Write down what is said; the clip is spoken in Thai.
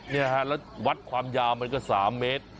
เนี่ยฮะแล้ววัดความยาวมันก็๓เมตร